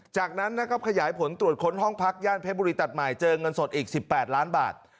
จากนั้นนะครับขยายผลตรวจค้นห้องพักย่านเพชรบุรีตัดใหม่เจอเงินสดอีก๑๘ล้านบาท